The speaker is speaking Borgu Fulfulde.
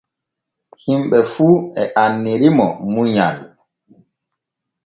Himɓe fu e annirimo munyal.